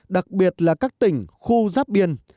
đặc biệt là các tỉnh khu giáp biên